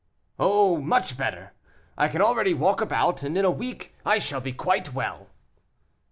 "Oh, much better; I can already walk about, and in a week I shall be quite well."